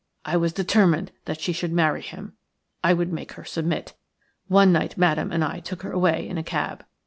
I was determined that she should marry him; I would make her submit. One night Madame and I took her away in a cab.